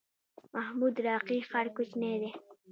محمود راقي ښار کوچنی دی؟